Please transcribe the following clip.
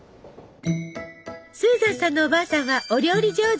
スーザンさんのおばあさんはお料理上手！